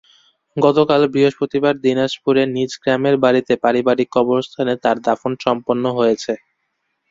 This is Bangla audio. গতকাল বৃহস্পতিবার দিনাজপুরে নিজ গ্রামের বাড়িতে পারিবারিক কবরস্থানে তাঁর দাফন সম্পন্ন হয়েছে।